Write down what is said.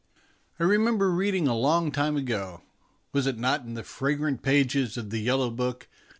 I remember reading a long time ago was it not in the fragrant pages of the " Yellow Book"?